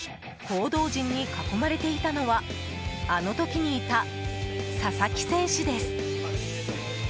報道陣に囲まれていたのはあの時にいた佐々木選手です。